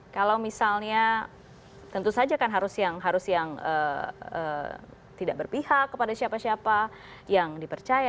kalau misalnya tentu saja kan harus yang tidak berpihak kepada siapa siapa yang dipercaya